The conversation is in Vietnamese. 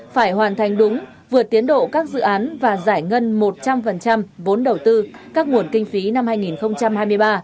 phải hoàn thành đúng vượt tiến độ các dự án và giải ngân một trăm linh vốn đầu tư các nguồn kinh phí năm hai nghìn hai mươi ba